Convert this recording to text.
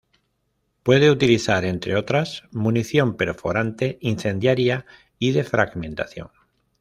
Puede utilizar, entre otras, munición perforante, incendiaria y de fragmentación.